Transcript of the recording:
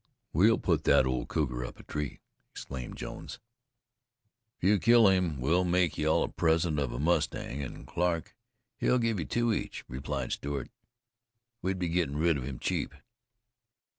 "We'll put that old cougar up a tree," exclaimed Jones. "If you kill him we'll make you all a present of a mustang, an' Clarke, he'll give you two each," replied Stewart. "We'd be gettin' rid of him cheap."